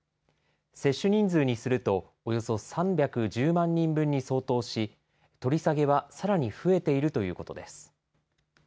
接種人数にすると、およそ３１０万人分に相当し、取り下げはさらに増えているということです。